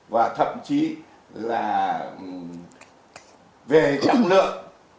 và thậm chí là về trạng lượng